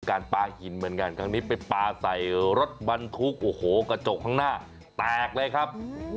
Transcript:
การปลาหินเหมือนกันครั้งนี้ไปปลาใส่รถบรรทุกโอ้โหกระจกข้างหน้าแตกเลยครับ